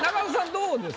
どうですか？